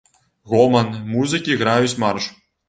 Гоман, музыкі граюць марш.